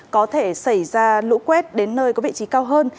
có thể xảy ra lũ quét đến nơi có vị trí cao hơn